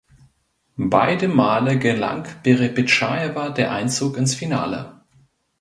Beide Male gelang Perepetschajewa der Einzug ins Finale.